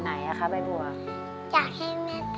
แล้วน้องใบบัวร้องได้หรือว่าร้องผิดครับ